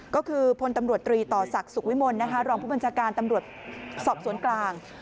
ก็คือพลตำรวจตรีต่อศักดิ์สุขวิมลรองผู้บัญชาการตำรวจสอบสวนกลาง